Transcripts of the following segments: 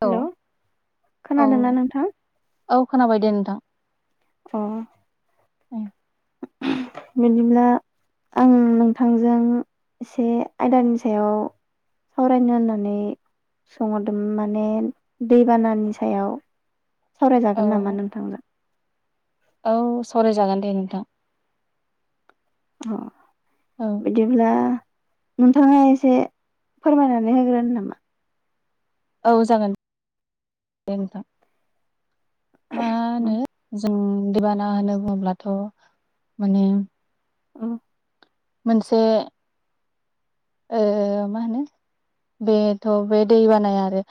औ हेलौ खोनादोंना औ नोंथां? औ खोनाबाय दे नोंथां । अ औ बिदिब्ला आं नोंथांजों से आयदानि सायाव सावरायनो होननानै सोंहरदोंमोन माने दैबानानि सायाव । औ सावरायजागोन नामा नोंथांजों? औ सावरायजागोन दे नोंथां । अ औ बिदिब्ला नोंथांङा एसे फोरमायनानै होग्रोनो नामा? औ जागोन दे नोंथां । मा औ होनो? जों दैबाना होनो बुङोब्लाथ माने औ मोनसे ओ मा होनो बेथ बे दै बानाया आरो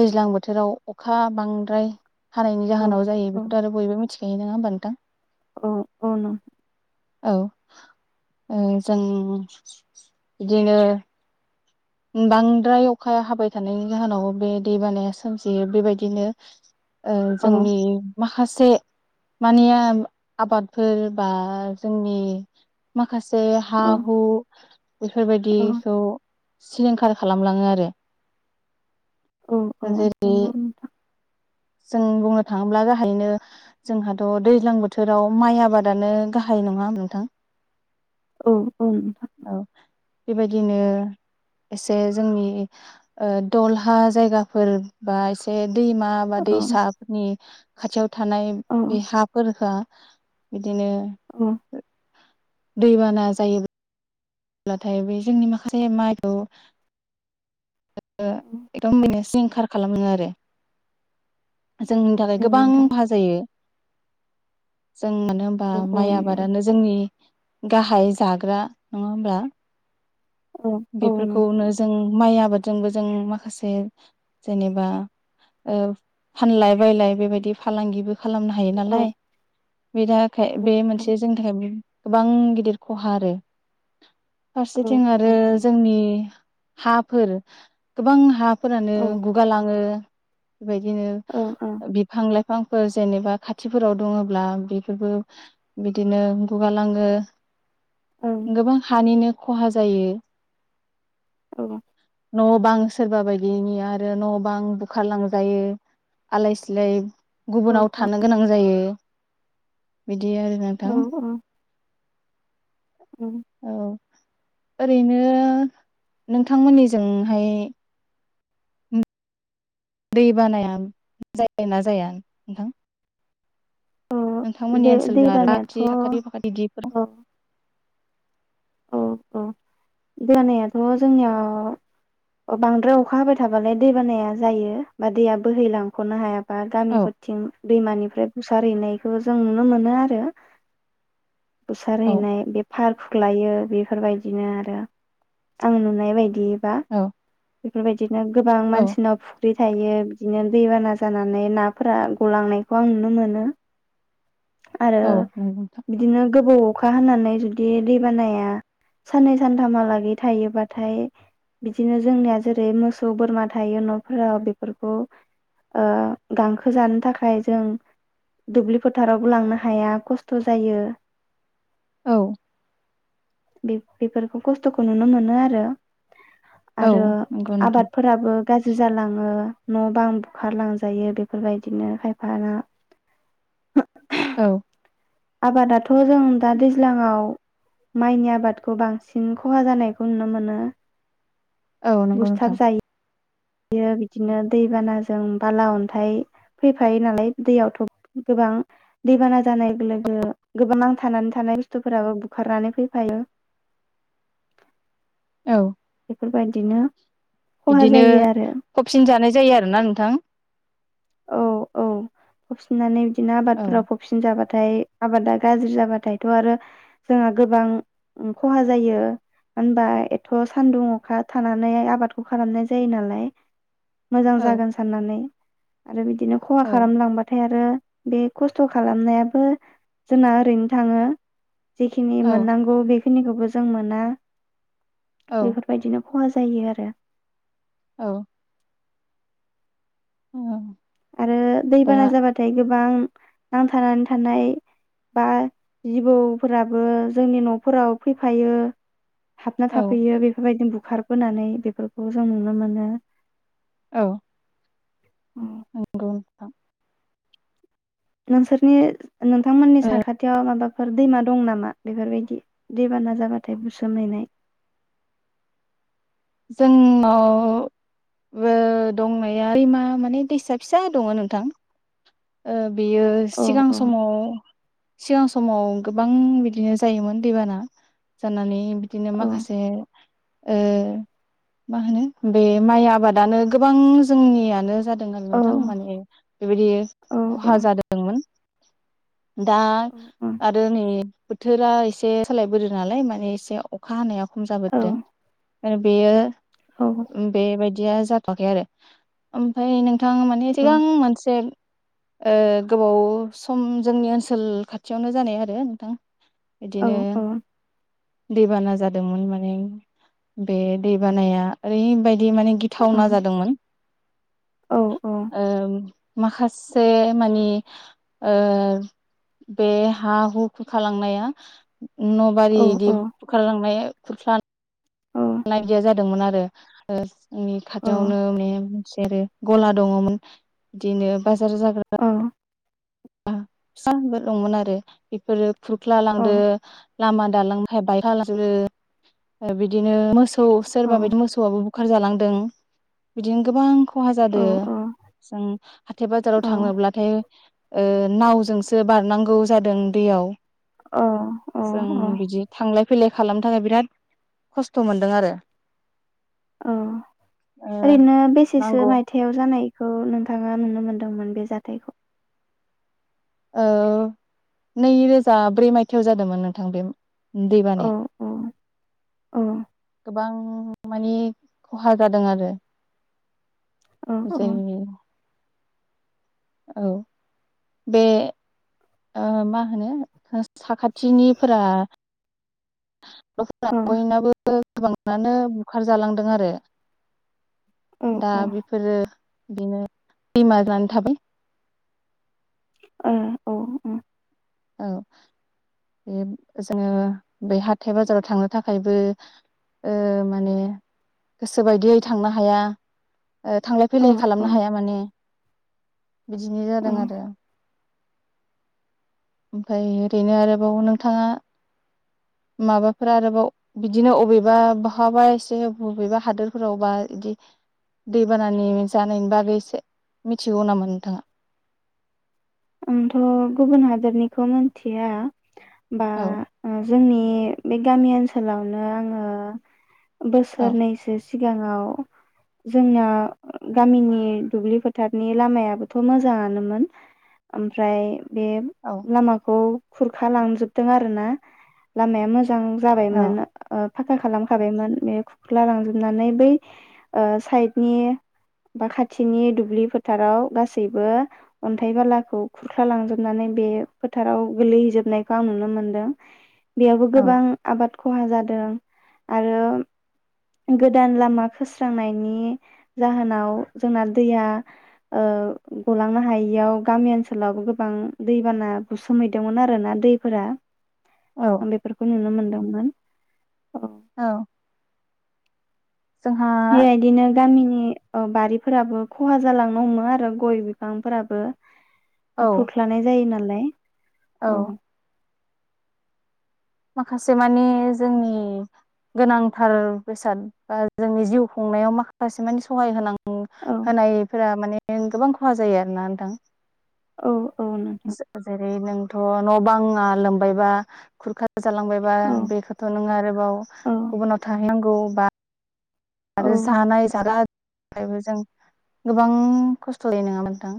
दैज्लां बोथोराव अखा बांद्राय हानायनि औ जाहोनाव जायो औ बेखौथ आरो बयबो मिथिख [unintelligible] नोंङा होमबा नोंथां? औ औ न औ ओ जों बिदिनो बांद्राय अखाया हाबाय थानायनि जाहोनाव बे दैबानाया सोमजियो बेबायदिनो ओ औ जोंनि माखासे मानिया आबादफोर बा जोंनि खासे हा औ हु बेफोर औ बायदिखौ सिलिंखार खालामलाङो आरो औ औ जेरै नोंगौ नोंथां। जों बुंनो थाङोब्ला गाहायैनो जोंहाथ' दैज्लां बोथोराव माइ आबादानो गाहाय नङा नोंथां। औ औ नोंथां। औ बेबायदिनो एसे जोंनि ओ दलहा जायगा फोर बा एसे दैमा बा औ दैसाफोरनि खाथियाव थानाय औ बे हाफोर हा बिदिनो औ दैबाना जायोब्ला ब्लाथाय बे जोंनि माखासे माइखौ [unintelligible] सिलिंखार खालामो आरो जोंनि थाखाय औ गोबां नोंथां खहा जायो। जों मानो होनबा औ औ माइ नंगौ आबादानो जोंनि गाहाय जाग्रा नङा होमब्ला। औ औ नंगौ बेफोरखौनो जों माइ आबाद जोंबो जों माखासे जेनेबा ओ फानलाय बायलाय बेबायदि फालांगिबो खालामनो हायो औ नालाय बे थाखाय औ बे मोनसे जोंनि थाखाय गोबां गिदिर खहा आरो नोंथां फारसेथिं आरो हाफोर गोबां हा फोरानो औ गुगालाङो। औ बेबायदिनो बिफां लाइफां फांफोर जेनेबा खाथिफोराव दङब्ला बेफोरबो बिदिनो गुगालाङो। ओं गोबां हानिनो खहा जायो। औ न' बां सोरबा बायदिनि आरो न' बां बुखारलांजायो आलाय सिलाय ओं गुबुनाव औ थानो गोनां जायो। बिदि आरो औ नोंथां। औ औ ओरैनो नोंथांमोननि जोंहाय दै बानाया जायो ना जाया नोंथां? औ नोंथांमोननि दै दै ओनसोलजों आरो बानायाथ' बाख्रि औ साखाथि बाखाथि इदिफोर औ औ दै बानायाथ' जोंनियाव ओ बांद्राय अखा हाबाय थाबालाय दै बानाया जायो बा दैया बोहैलांख'नो हाया बा औ गामिफोरथिं दैमानिफ्राय बुसार हैैनाय खौ जों नुनो मोनो आरो। बुसार औ हैनाय बे पार्क ग्लायो। बेफोरबायदिनो आरो आं नुनाय बायदि दा औ बेफोरबायदिनो गोबां मानसिनाव फुख्रि थायो बिदिनो दैबाना जानानै नाफोरा गलांनायखौ आं नुनो मोनो। आरो औ नंगौ नोंथां बिदिनो गोबाव अखा हानानै जुदि दै बानाया साननै सानथामहालागै थायोबाथाय बिदिनो जोंनिया जेरै मोसौ बोरमा थायो न'फोराव बेफोरखौ ओ गांखो जानो थाखाय जों दुब्लि फोथारावबो लांनो हाया खस्थ' जायो। औ। बे बेफोरखौ खस्थ'खौ नुनो मोनो आरो। औ आरो नंगौ नोंथां आबादफोराबो गाज्रि जालाङो न' बां बुखारलांजायो बेफोरबायदिनो खायफाना औ। आबादाथ' जों दा दैज्लाङाव माइनि आबादखौ बांसिन खहा जानायखौ नुनो मोनो। औ नंगौ नोंथां। बियो बिदिनो दैबानाजों बाला अन्थाइ फैफायो नालाय दैयावथ' गोबां दैबाना जानाय लोगो गोबां नांथानानै थानाय बुस्थुफोराबो बुखारनानै फैफायो। औ। बेफोरबायदिनो खहा बिदिनो जायो आरो फबसिन जानाय जायो आरोना नोंथां। औ औ फबसिन जानाय बिदिनो औ आबादफोरा फबसिन जाबा बाथाय आबादा गाज्रि जाबाथायथ' आरो जोंहा गोबां खहा जायो मानो होनबा एथ' सान्दुं अखा थानानै आबादखौ खालामनाय जायो नालाय। मोजां औ जागोन साननानै। आरो बिदि दिनो खहा औ खालामलांबाथाय आरो बे खस्थ' खालामनायाबो जोंना ओरैनो थाङो। जिखिनि औ मोननांगौ बे खिनिखौबो जों मोना। औ बैफोर बादिनो खहा जायो आरो। औ। उम। आरो दैबाना जाबाथाय गोब बां नांथानानै थानाय बा जिबौफोराबो जोंनि न'फोराव फैफायो हाबना औ थाफैयो बेफोरबायदि बु खारबोनानै बेफोरखौ जों नुनो मोनो। औ। नंगौ नोंथां। नोंसोरनि नोंथांमोननि साखाथियाव माबाफोर दैमा दं नामा बेफोरबायदि दैबाना जाबाथाय बुसोमहैनाय जोंनाव ओ दंनाया दैमा माने दैसा फिसा दङ नोंथां ओ बेयो औ सिगां औ समाव सिगां समाव गोबां बिदिनो जायोमोन दैबाना जानानै। बिदिनो औ माखासे। ओ। मा होनो बे माइ आबादानो गोबां जोंनियानो जाद जोंहानि औ नोंथां माने बेबायदि औ खहा जादोंमोन। दा आरो नै बोथोरा एसे सालायबोदो नालाय माने एसे अखा हानायाव खम औ जाबोदों। ओ बेयो। औ ओ बेबाय दिया जाथ'वाखै आरो ओमफ्राय नों थां माने सिगां मोनसे ओ गोबाव सम जोंनि ओनसोल खाथियावनो जानाय आरो नोंथां औ बिदिनो औ दैबाना जादोंमोन माने बे दैबानाया ओरैबायद दि माने गिथावना जादोंमोन। औ ओम। माखासे मानि ओ बे हा हु खुरखालांनाया न' औ बारि औ बिद बुखारलांनाय खुरख्ला [unintelligible] आंनि खाथियावनो माने जेरै गला दङमोन बिदिनो बा जारफोर जाग्रा औ [unintelligible] बेफोरो खुरख्ला लांदो लामा दालांफोरा [unintelligible] लांजोबो बिदिनो मोस औ सोरबा बायदि मोसौआबो बुखार जालांदों। बिदिनो गोबां खहा जादो। जों हाथाय बाजाराव थाङोब्लाथाय ओ नावजोंसो बारनांगौ जादों दैयाव। औ [inaudible] जों औ बिदि थांलाय फैलाय खालामनो थाखाय बिराद खस्थ' मोनदों आरो। अ, ओ ओरैनो बेसेसो नांगौ मायथायाव जानाय? खौ नोंथाङा नुनो मोन्दोंमोन बे जाथायखौ? औ, नै रोजा ब्रै मायथायाव जादोंमोन नोंथां बे दै औ बानाया। औ औ गोबां मानि खहा जादों आरो। औ जोंनि औ बे ओ मा होनो साखाथिनिफोरा औ [unintelligible] गोबाङानो बुखार जालांदों आरो। औ ओ दा बेफोरो बिदिनो दैमा जानानै थाबाय। औ औ उम। औ बे जोङो बे हाथाइ बाजाराव थांनो थाखायबो ओ माने गोसो बायदियै थांनो हाया। थांलाय औ फैलाय औ खालामनो हाया माने। बिदिनो औ जादों आरो। ओमफ्राय ओरैनो आरोबाव नोंथाङा माबाफोर आरोबाव बिदिनो अबेबा बहाबा एसे बबेबा हादोरफोरावबा बिदि दैबाना जानायनि बागै एसे मिथिगौ नामा नोंथाङा? आंथ' गुबुन हादरनिखौ मिथिया। बा औ उम। जोंनि बे गामि ओनसोलावनो आङो औ बोसोरनैसो सि सिगाङाव जोंना गामिनि दुब्लि फोथारनि लामायाबोथ' मोजाङानोमोन। ओमफ्राय बे औ लामाखौ खुरखा लांजोबदों आरो ना। लामाया मो जां जाबायमोन औ ओ फाखा खालामखाबायमोन बे खुरख्ला लांजोबनानै बै ओ साइडनि बा खाथिनि दुब्लि फोथाराव गासैबो अन्थाइ बाला खौ खुरख्ला लांजोबनानै बे फोथाराव गोलैहैजोबनायखौ आं नुनो मोनदों बेयावबो औ गोबां आबाद खहा जादों आरो गोदान लामा खोस्रांनायनि जाहोनाव जोंना दैया गलांनो ओ हायियाव गामि ओन ओनसोलावबो गोबां दैबाना बुसोमहैदोंमोन आरोना दैफोरा। औ आं बेफोरखौ नुनो मोनदों मोन औ जोंहा बेबायदिनो गामिनि ओ बारिफोराबो खहा जालांनो हमोन आरो गय बिफांफोराबो हा औ खुख्लानाय जायो नालाय औ माखासे माने जोंनि गोनांथार बेसाद बा जोंनि जिउ खुंनायाव माखासे मानि सहाय होनां औ होनायफोरा माने गोबां खहा जायो आरोना नोंथां औ नोंथां जे जेरै नों थ न बाङा लोमबायबा खुरखा जालांबायबा औ बेखौथ नों आरोबाव औ गुबुनाव थाहैनांगौ औ बा औ आरो जानाय जारा ओमफायबो जों गोबां खस्थ लै नङा नोंथा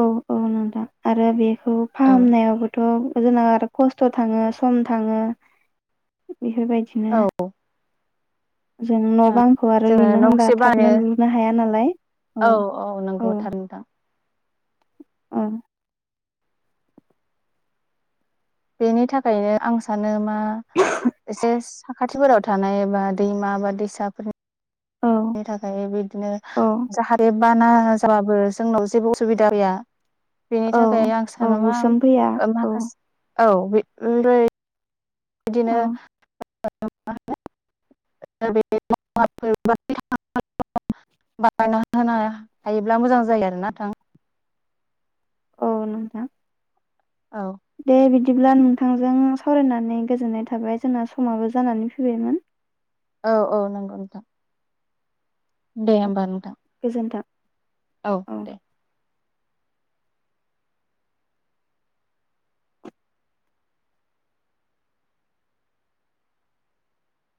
औ औ नोंथां आरो बे औ फाहामनायावबोथ जोंना आरो खस्थ थाङो सम थाङो बेफोरबायदिनो जेन न' बांखौ आरो जोङो लुनो न' होनबा गंसे थाबनो बानो लुनो हाया नालाय औ नंगौ थार नोंथां औ उम बेनि थाखायनो आं सानो मा एसे साखाथिफोराव थानाय एबा दैमा बा दैसाफोरनि औ बिनि थाखाय बिदिनो औ जाहारे बाना जाबाबो जोंनाव जेबो असुबिदा गैया बेनि औ थाखाय आं औ सानोबा बुसोम फैया औ माखासे औ [unintelligible] बिदिनो औ [unintelligible] [unintelligible] बानायना होनो हायोब्ला मोजां जायो आरोना थां। औ नोंथां। औ। दे बिदिब्ला नोंथांजों सावरायनानै गोजोननाय थाबाय जोंना समाबो जानानै फैबायमोन। औ औ नंगौ नोंथां। दे होमबानो नोंथां। गोजोन्थों औ औ। दे